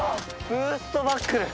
ブーストバックル。